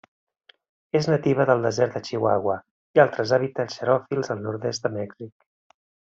És nativa del Desert de Chihuahua i altres hàbitats xeròfils al nord-est de Mèxic.